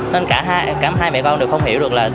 nên cả hai mẹ con đều không hiểu được là